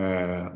buat mbak mega